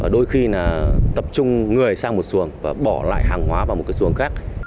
đôi khi là tập trung người sang một xuồng và bỏ lại hàng hóa vào một cái xuồng khác